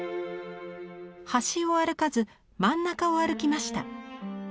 「端を歩かず真ん中を歩きました」。